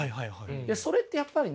それってやっぱりね